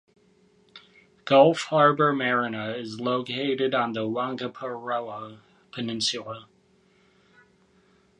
Gulf Harbour Marina is located on the Whangaparaoa Peninsula.